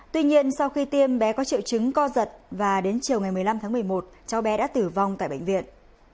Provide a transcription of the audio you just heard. tuy nhiên sau khi tiêm bé có triệu chứng co giật và đến chiều ngày một mươi năm tháng một mươi một cháu bé đã tử vong tại bệnh viện